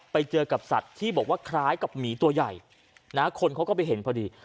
ไปเจอกับสัตว์ที่บอกว่าคล้ายกับหมีตัวใหญ่นะคนเขาก็ไปเห็นพอดี